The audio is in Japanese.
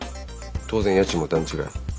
当然家賃も段違い。